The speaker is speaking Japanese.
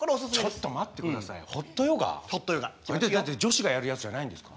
だって女子がやるやつじゃないんですか？